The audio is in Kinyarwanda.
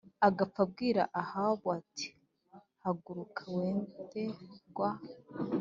Agapfa abwira ahabu ati haguruka wende rwa